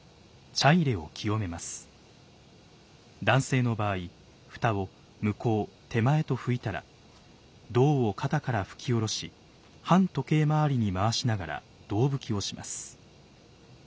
男性の場合蓋を向こう手前と拭いたら胴を肩から拭き下ろし半時計周りに回しながら胴拭きをします。